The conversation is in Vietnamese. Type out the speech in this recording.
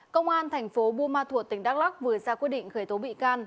công an tp bumathuot tỉnh đắk lóc vừa ra quyết định khởi tố bị can